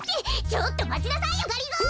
ちょっとまちなさいよがりぞー！